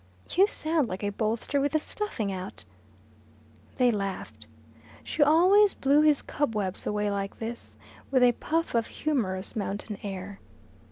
"You sound like a bolster with the stuffing out." They laughed. She always blew his cobwebs away like this, with a puff of humorous mountain air.